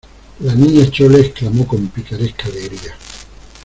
la Niña Chole exclamó con picaresca alegría: